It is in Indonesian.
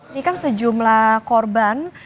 ini kan sejumlah korban